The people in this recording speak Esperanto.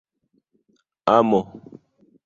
amo